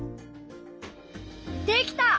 できた！